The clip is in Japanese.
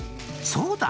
「そうだ！